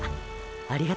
ありがと。